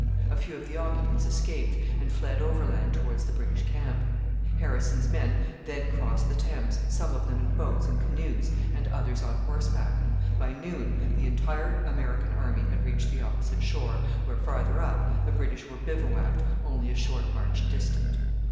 A few of the occupants escaped and fled overland towards the British camp. Harrison's men then crossed the Thames, some of them in boats and canoes and others on horseback. By noon the entire American army had reached the opposite shore, where, farther up, the British were bivouacked, only a short march distant.